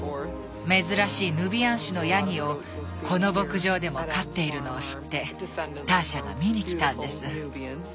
珍しいヌビアン種のヤギをこの牧場でも飼っているのを知ってターシャが見に来たんです。